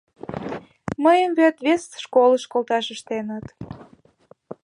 Мыйым вет вес школыш колташ ыштеныт.